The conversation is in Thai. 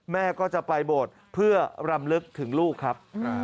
แม่ก็จะไปโบสถ์เพื่อรำลึกถึงลูกครับ